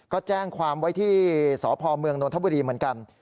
ก็แจ้งความไว้ที่สพเมืองนทบุรีเหมือนกัน